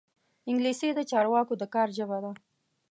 انګلیسي د چارواکو د کار ژبه ده